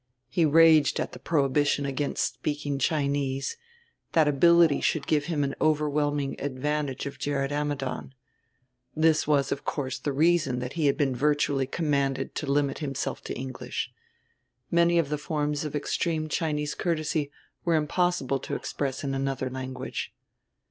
He raged at the prohibition against speaking Chinese; that ability should give him an overwhelming advantage of Gerrit Ammidon. This was, of course, the reason that he had been virtually commanded to limit himself to English. Many of the forms of extreme Chinese courtesy were impossible to express in another language.